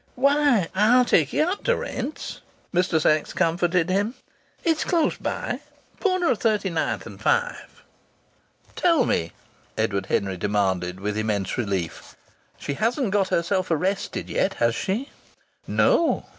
"Why! I'll take you up to Rent's," Mr. Sachs comforted him. "It's close by corner of Thirty ninth and Five." "Tell me," Edward Henry demanded, with immense relief, "she hasn't got herself arrested yet, has she?" "No.